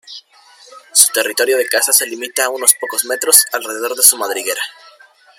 Su territorio de caza se limita a unos pocos metros alrededor de su madriguera.